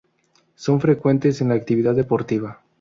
Son frecuentes en la actividad deportiva.